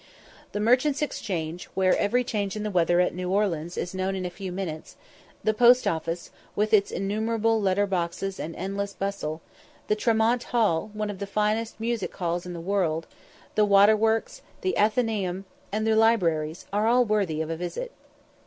The Merchants' Exchange, where every change in the weather at New Orleans is known in a few minutes; the Post Office, with its innumerable letter boxes and endless bustle; the Tremont Hall, one of the finest music halls in the world; the water works, the Athenaeum, and the libraries, are all worthy of a visit.